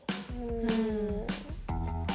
うん。